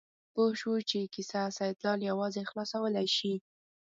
پوه شو چې کیسه سیدلال یوازې خلاصولی شي.